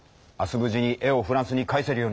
無事に絵をフランスに返せるようにしよう！